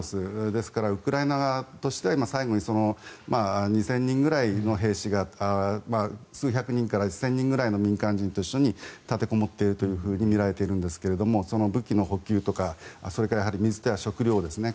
ですからウクライナ側としては最後に２０００人くらいの兵士が数百人から１０００人ぐらいの民間人と一緒に立てこもっているとみられているんですが武器の補給とか水や食料ですね。